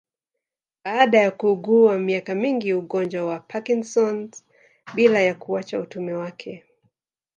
Baada ya kuugua miaka mingi Ugonjwa wa Parknson bila ya kuacha utume wake